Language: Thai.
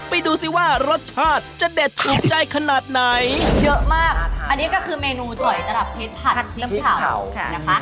ไปดูสิว่ารสชาติจะเด็ดอุ่นใจขนาดไหนเยอะมากอันนี้ก็คือเมนูตรอยตลาดเพชรผัดพริกเผาค่ะ